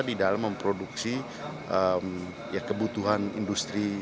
di dalam memproduksi kebutuhan industri